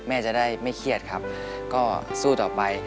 แม่จะได้ไม่เครียดครับก็สู้ต่อไป